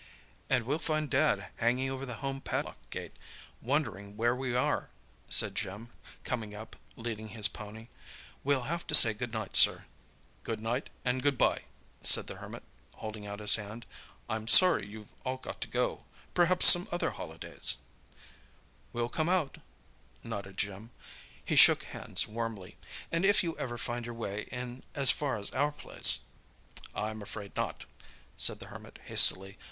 "And we'll find Dad hanging over the home paddock gate, wondering where we are," said Jim, coming up, leading his pony. "We'll have to say good night, sir." "Good night, and good bye," said the Hermit, holding out his hand. "I'm sorry you've all got to go. Perhaps some other holidays—?" "We'll come out," nodded Jim. He shook hands warmly. "And if ever you find your way in as far as our place—" "I'm afraid not," said the Hermit hastily.